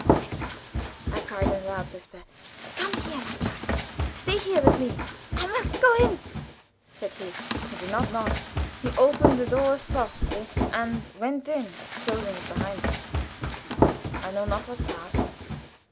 "Sigmund!" I cried, in a loud whisper. "Come here, my child! Stay here, with me." "I must go in," said he. He did not knock. He opened the door softly, and went in, closing it after him. I know not what passed.